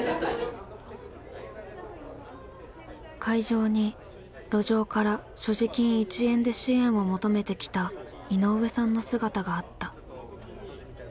会場に路上から所持金１円で支援を求めてきた井上さんの姿があった。